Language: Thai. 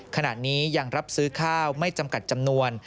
ขณะนี้ยังรับซื้อข้าวไม่จำกัดจำนวน